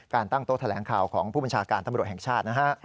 การตั้งโต๊ะแถลงข่าวของผู้บัญชาการธรรมดาโรยแห่งชาตินะฮะ